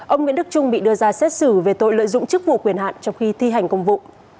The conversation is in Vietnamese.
ông nguyễn đức trung bị đưa ra xét xử về tội lợi dụng chức vụ quyền hạn trong khi thi hành công vụ